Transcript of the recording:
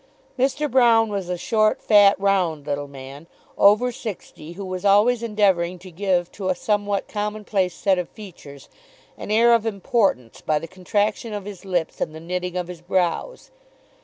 Mr. Brown was a short, fat, round little man, over sixty, who was always endeavouring to give to a somewhat commonplace set of features an air of importance by the contraction of his lips and the knitting of his brows.